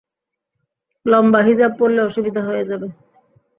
লম্বা হিজাব পড়লে অসুবিধা হয়ে যাবে।